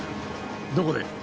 どこで？